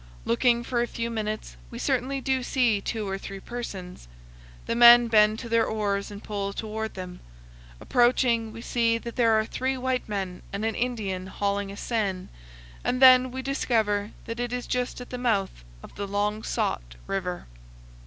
Looking for a few minutes, we certainly do see two or three persons. The men bend to their oars and pull toward them. Approaching, we see that there are three white men and an Indian hauling a seine, and then we discover that it is just at the mouth of the long sought river.